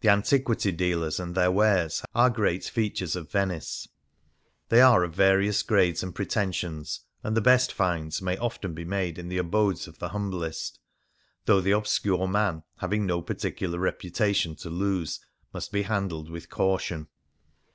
The antiquity dealers and their wares are great features of Venice. They are of various grades and pretensions, and the best " finds " may often be made in the abodes of the humblest ; though the obscure man, having no particular reputation to lose, must be handled with caution.